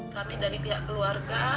kami dari pihak keluarga